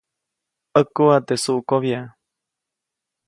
ʼÄkuʼa teʼ suʼkobya.